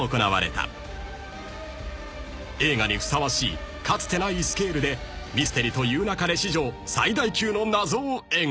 ［映画にふさわしいかつてないスケールで『ミステリと言う勿れ』史上最大級の謎を描く］